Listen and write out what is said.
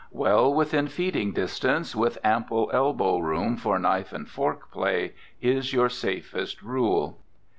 Well within feeding distance, with ample elbow room for knife and fork play, is your safest rule.